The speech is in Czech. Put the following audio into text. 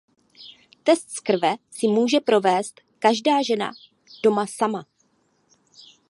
Test z krve si může provést každá žena doma sama.